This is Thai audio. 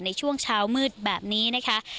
ในช่วงเช้ามืดแบบนี้นะคะ